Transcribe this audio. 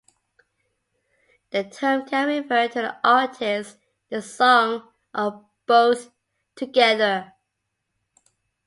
The term can refer to the artist, the song, or both together.